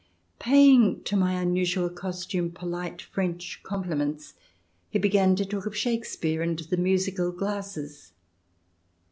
Paying to my unusual costume polite French compliments, he began to talk of Shakespeare and the musical glasses.